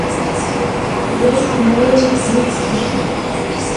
yesu nawe muri iki gice